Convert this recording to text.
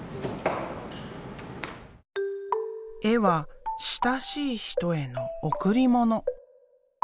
絵は親しい人への贈り物。